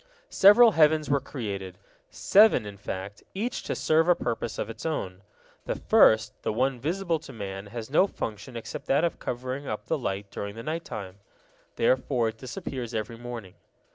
Several heavens were created, seven in fact, each to serve a purpose of its own. The first, the one visible to man, has no function except that of covering up the light during the night time; therefore it disappears every morning.